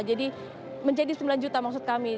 jadi menjadi sembilan juta maksud kami